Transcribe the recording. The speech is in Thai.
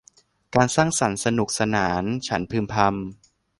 การสร้างสรรค์สนุกสนาน ฉันพึมพำ